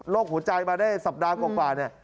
หัวใจมาได้สัปดาห์กว่าเนี่ย